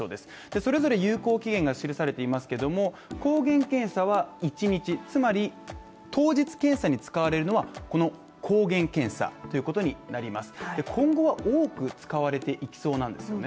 それぞれ有効期限が記されていますけども抗原検査は１日、つまり、当日検査に使われるのは、この抗原検査ということになります